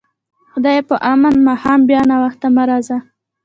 خدای په امان، ماښام بیا ناوخته مه راځه.